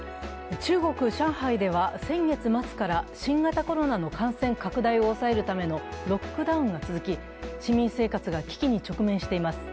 中国・上海では先月末から新型コロナの感染拡大を抑えるためのロックダウンが続き、市民生活が危機に直面しています。